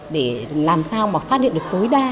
để làm sao mà phát hiện được tối đa